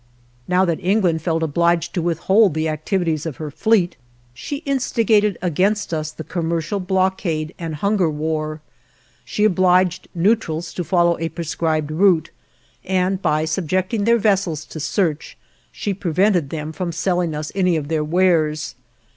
Now that England felt obliged to withhold the activities of her fleet, she instigated against us the commercial blockade and hunger war; she obliged neutrals to follow a prescribed route; and, by subjecting their vessels to search, she prevented them from selling us any of their wares.